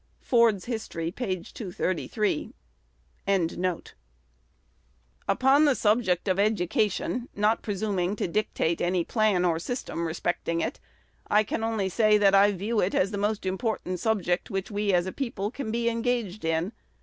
Ford's History, page 233. Upon the subject of education, not presuming to dictate any plan or system respecting it, I can only say that I view it as the most important subject which we as a people can be engaged in.